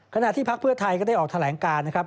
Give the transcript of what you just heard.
ขณะที่พักเพื่อไทยก็ได้ออกแถลงการนะครับ